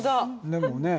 でもね。